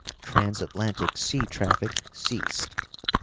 Trans Atlantic sea traffic ceased.